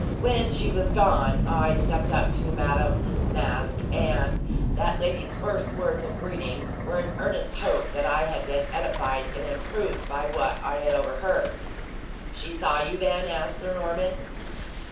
When she was gone, I stepped up to Madame Masque, and that lady's first words of greeting were an earnest hope that I had been edified and improved by what I had overheard." "She saw you, then?" said Sir Norman.